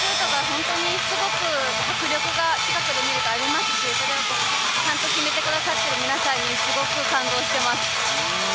本当にすごく迫力が近くで見るとありますしそれをちゃんと決めてくださっている皆さんにすごく感動しています。